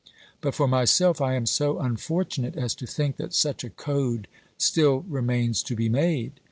But for myself I am so unfortunate as to think that such a code still remains to be made.